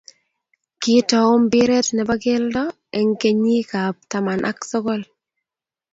Kitou mpiret ne bo kelto eng kinyikab taman ak sokol